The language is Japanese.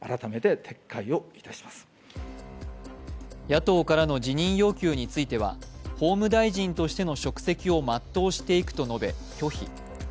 野党からの辞任要求については法務大臣としての職責をまっとうしていくと述べ、拒否。